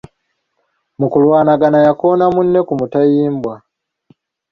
Mu kulwanagana yakoona munne ku mutayimbwa.